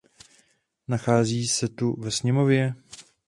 Nachází se tu ve sněmovně?